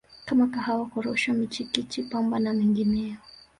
kama Kahawa Korosho michikichi Pamba na mengineyo